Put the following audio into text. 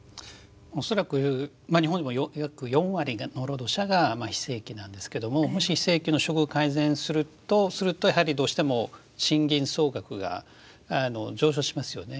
恐らく日本は今約４割の労働者が非正規なんですけどももし非正規の処遇を改善するとするとやはりどうしても賃金総額が上昇しますよね。